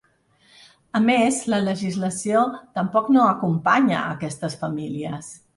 A més, la legislació ‘tampoc no acompanya’ aquestes famílies.